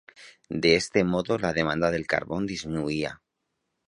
De este modo la demanda del carbón disminuía.